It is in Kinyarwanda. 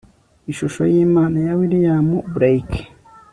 Ishusho yImana ya William Blake